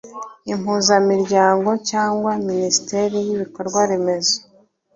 impuzamiryango cyangwa minisiteri y ibikorwaremezo